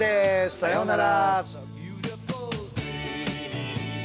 さようなら。